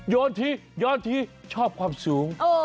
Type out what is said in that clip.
ทีย้อนทีชอบความสูง